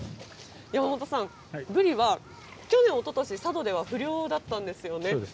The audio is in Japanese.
山本さん、ブリは去年、おととし、佐渡では不漁だったんですよね。